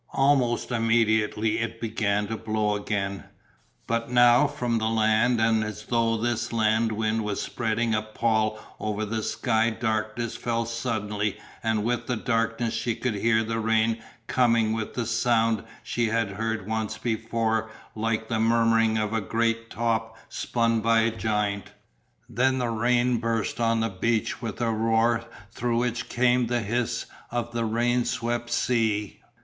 Almost immediately it began to blow again, but now from the land and as though this land wind were spreading a pall over the sky darkness fell suddenly and with the darkness she could hear the rain coming with the sound she had heard once before like the murmuring of a great top spun by a giant. Then the rain burst on the beach with a roar through which came the hiss of the rain swept sea.